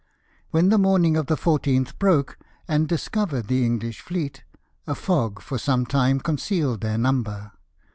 When the morning of the 14th broke and discovered the English fleet, a fog for some time concealed their number.